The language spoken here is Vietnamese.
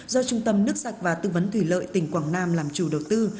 do trung tâm nước sạch và tư vấn thủy lợi tỉnh quảng nam làm chủ đầu tư